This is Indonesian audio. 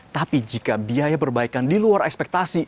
tapi jika biaya perbaikan di luar ekspektasi